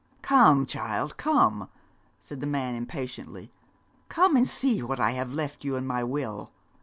'Come, child, come!' said the man impatiently. 'Come and see what I have left you in my will.